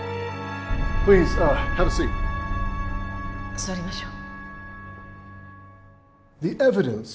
座りましょう。